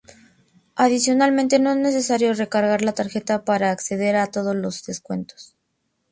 Adicionalmente no es necesario recargar la tarjeta para acceder a todos los descuentos.